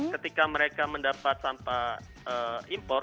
ketika mereka mendapat sampah impor